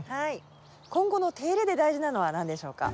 今後の手入れで大事なのは何でしょうか？